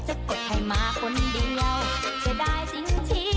จะกดให้มาคนเดียวจะได้จริง